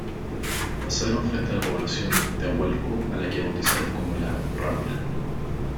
Pasaron frente a la población de Ahualulco a la que bautizaron como ""La Rambla"".